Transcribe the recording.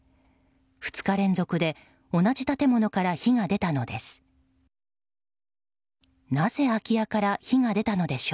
２日連続で同じ建物から火が出たのです。